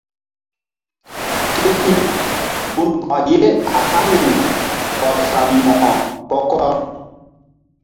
Ke hi̧ gunbɔk ye a haniri kɔr Salmo̧ko kɔ-kɔr.